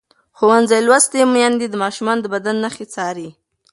ښوونځې لوستې میندې د ماشومانو د بدن نښې څاري.